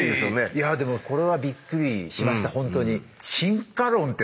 いやでもこれはびっくりしました本当に。